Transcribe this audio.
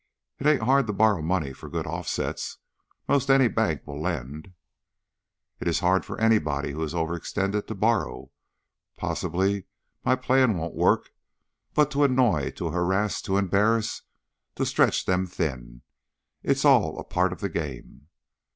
"It ain't hard to borrow money for good offsets. 'Most any bank will lend." "It is hard for anybody who is overextended to borrow. Possibly my plan won't work, but to annoy, to harass, to embarrass, to stretch them thin it's all a part of the game.